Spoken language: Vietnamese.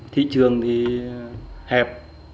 thị trường thì hẹp